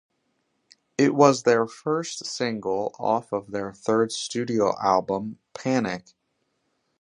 It was their first single off of their third studio album "Panic".